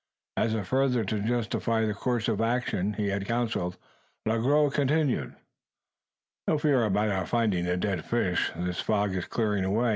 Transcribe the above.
As if further to justify the course of action he had counselled, Le Gros continued "No fear about our finding the dead fish. This fog is clearing away.